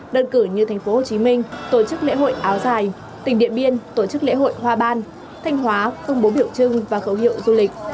đơn cử như thành phố hồ chí minh tổ chức lễ hội áo dài tỉnh điện biên tổ chức lễ hội hoa ban thanh hóa công bố biểu trưng và khẩu hiệu du lịch